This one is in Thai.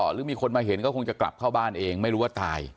หรือมีคนมาเห็นก็คงจะกลับเข้าบ้านเองไม่รู้ว่าตาย